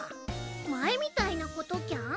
前みたいなことキャン？